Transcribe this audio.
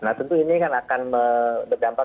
nah tentu ini kan akan berdampak